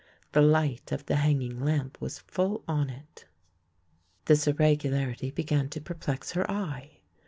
The light of the hanging lamp was full on it. This irregularity began to perplex her eye.